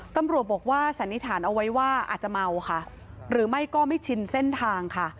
ตำรวจบอกว่าสันนิษฐานเอาไว้ว่าอาจจะเมาค่ะหรือไม่ก็ไม่ชินเส้นทางค่ะ